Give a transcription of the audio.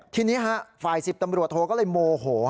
ทีนี้ฝ่าย๑๐ตำรวจโทก็เลยโมโห